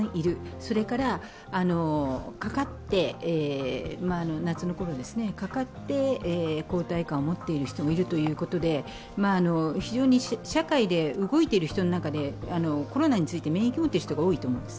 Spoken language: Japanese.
それから、夏のころ、かかって抗体価を持っている人もいるということで、非常に社会で動いている人の中で、コロナについて免疫を持っている人が多いと思います。